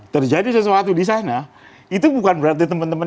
terjadi sesuatu di sana itu bukan berarti teman teman